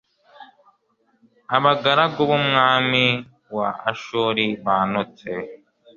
abagaragu b'umwami wa ashuri bantutse